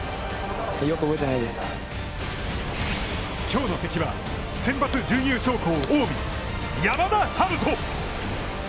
きょうの敵はセンバツ準優勝校・近江、山田陽翔！